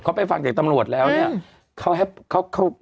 เขาไปฟังจากตำรวจแล้วเนี่ยเขา